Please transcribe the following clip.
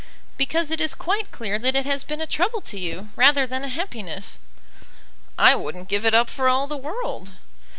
"Because it is quite clear that it has been a trouble to you rather than a happiness." "I wouldn't give it up for all the world."